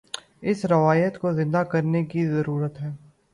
اس روایت کو زندہ کرنے کی ضرورت ہے۔